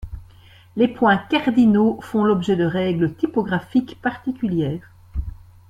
Les points cardinaux font l'objet de règles typographiques particulières.